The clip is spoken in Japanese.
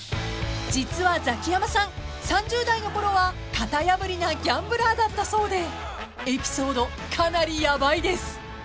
［実はザキヤマさん３０代のころは型破りなギャンブラーだったそうでエピソードかなりヤバいです］